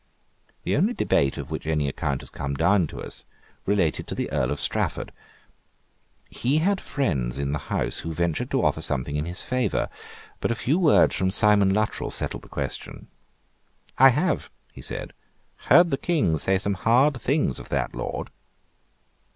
The only debate of which any account has come down to us related to the Earl of Strafford. He had friends in the House who ventured to offer something in his favour. But a few words from Simon Luttrell settled the question. "I have," he said, "heard the King say some hard things of that lord."